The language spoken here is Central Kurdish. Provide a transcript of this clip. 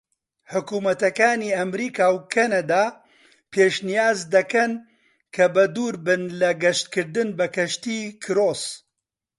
حکومەتەکانی ئەمەریکا و کەنەدا پێشنیاز دەکەن کە بە دووربن لە گەشتکردن بە کەشتی کروس.